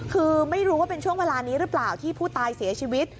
คือไม่รู้ว่าเป็นช่วงเวลานี้หรือเปล่าที่ผู้ตายเสียชีวิต